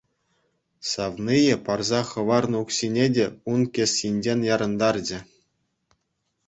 Савнийӗ парса хӑварнӑ укҫине те ун кӗсйине ярӑнтарчӗ.